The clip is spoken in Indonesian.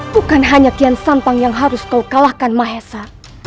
bukan hanya tian san bang yang harus kau kalahkan maheser